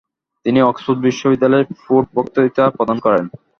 তিনি অক্সফোর্ড বিশ্ববিদ্যালয়ে ফোর্ড বক্তৃতা প্রদান করেন।